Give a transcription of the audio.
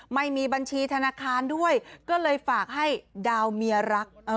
ไม่มีบัญชีธนาคารด้วยก็เลยฝากให้ดาวเมียรัก